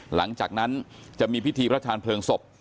หลังจากนั้นจะมีพิธีพระชาญเพลิงศพ